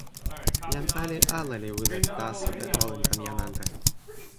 jan ali ala li wile taso e olin tan jan ante.